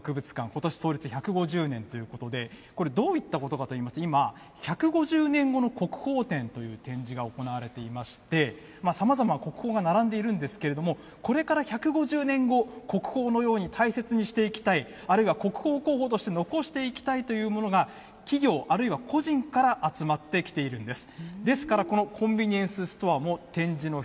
ことし創立１５０年ということで、これどういったことかといいますと、今、１５０年後の国宝展という展示が行われていまして、さまざま、国宝が並んでいるんですけれども、これから１５０年後、国宝のように大切にしていきたい、あるいは国宝候補として残していきたいというものが、企業あるいは個人から集まってきているんです。